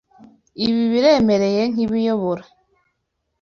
Ibi biremereye nkibiyobora.